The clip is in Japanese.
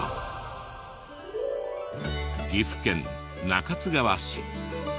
岐阜県中津川市。